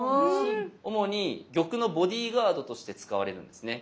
主に玉のボディガードとして使われるんですね。